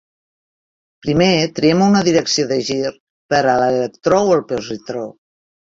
Primer triem una direcció de gir per a l'electró o el positró.